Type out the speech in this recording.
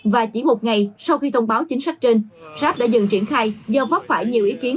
và chỉ một ngày sau khi thông báo chính sách trên gob đã dừng triển khai do vấp phải nhiều ý kiến